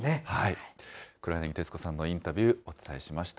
黒柳徹子さんのインタビュー、お伝えしました。